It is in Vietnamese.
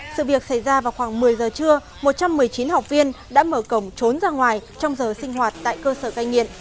sự việc xảy ra vào khoảng một mươi giờ trưa một trăm một mươi chín học viên đã mở cổng trốn ra ngoài trong giờ sinh hoạt tại cơ sở cai nghiện